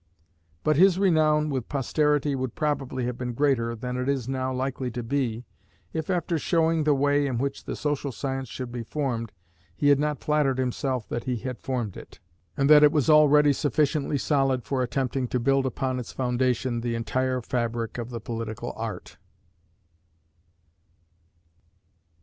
But his renown with posterity would probably have been greater than it is now likely to be, if after showing the way in which the social science should be formed, he had not flattered himself that he had formed it, and that it was already sufficiently solid for attempting to build upon its foundation the entire fabric of the Political Art.